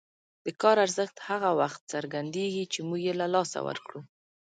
د کار ارزښت هغه وخت څرګندېږي چې موږ یې له لاسه ورکړو.